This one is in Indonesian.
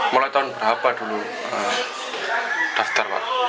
mulai tahun berapa dulu daftar pak